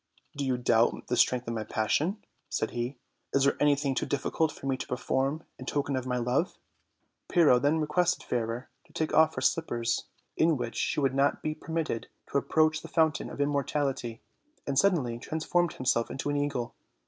"Do you doubt the strength of my passion?" said he; "is there anything too difficult for me to perform in token of my love?" Pyrrho then requested Fairer to take off her slippers, in which she would not be per mitted to approach the fountain of immortality, and suddenly transformed himself into an eagle.